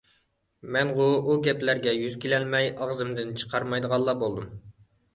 مەنغۇ ئۇ گەپلەرگە يۈز كېلەلمەي ئاغزىمدىن چىقارمايدىغانلا بولدۇم.